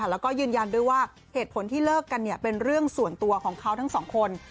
แล้วก็ยืนยันด้วยว่าเหตุผลที่เลิกกันเป็นเรื่องส่วนตัวของเขาทั้งสองคน